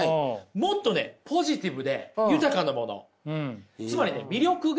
もっとねポジティブで豊かなもの。